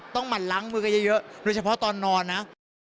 ต้องมาล้างมือกันเยอะโดยเฉพาะตอนนอนนะ